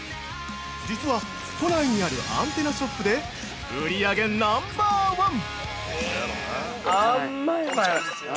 実は、都内にあるアンテナショップで、売り上げナンバーワン！